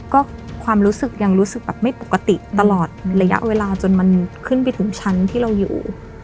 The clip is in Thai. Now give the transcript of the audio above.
ก็ความรู้สึกยังรู้สึกแบบไม่ปกติตลอดระยะเวลาจนมันขึ้นไปถึงชั้นที่เราอยู่